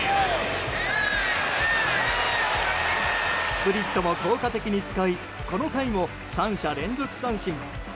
スプリットも効果的に使いこの回も３者連続三振。